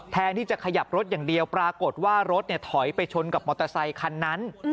แทนที่จะขยับรถอย่างเดียวปรากฏว่ารถถอยไปชนกับมอเตอร์ไซคันนั้น